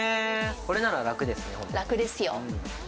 これなら楽ですね、楽ですよ。